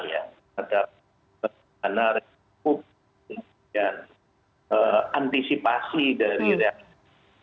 ya terhadap keputusan republik dan antisipasi dari reaksi